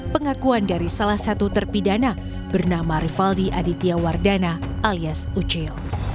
pengakuan dari salah satu terpidana bernama rivaldi aditya wardana alias ucil